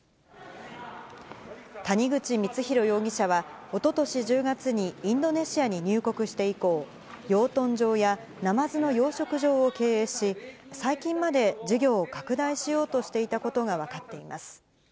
谷口光弘容疑者は、おととし１０月にインドネシアに入国して以降、養豚場やナマズの養殖場を経営し、最近まで事業を拡大しようとしていたことが分かっています。